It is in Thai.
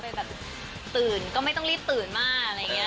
แบบตื่นก็ไม่ต้องรีบตื่นมากอะไรอย่างนี้